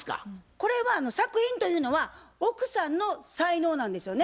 これは作品というのは奥さんの才能なんですよね。